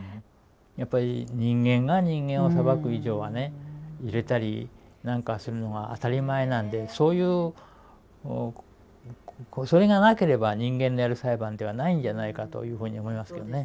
やっぱり人間が人間を裁く以上はね揺れたりなんかするのが当たり前なんでそれがなければ人間のやる裁判ではないんじゃないかというふうに思いますけどね。